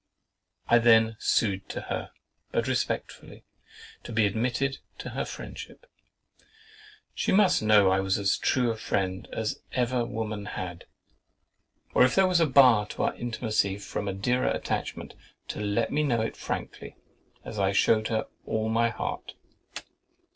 I then sued to her, but respectfully, to be admitted to her friendship—she must know I was as true a friend as ever woman had—or if there was a bar to our intimacy from a dearer attachment, to let me know it frankly, as I shewed her all my heart.